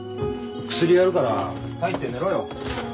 薬やるから帰って寝ろよ。